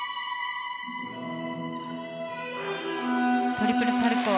トリプルサルコウ。